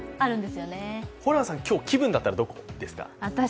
ホランさん、今日の気分だったらどこですか？